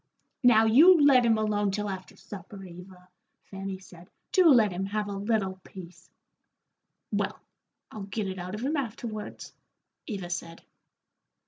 "Now, you let him alone till after supper, Eva," Fanny said. "Do let him have a little peace." "Well, I'll get it out of him afterwards," Eva said.